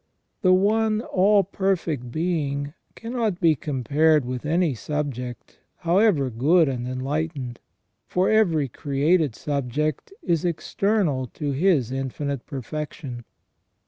The One All perfect Being cannot be compared with any subject, however good and wilightened, for every created subject is external to His infinite perfection.